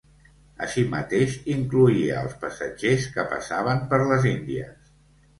Així mateix, incloïa als passatgers que passaven per les índies.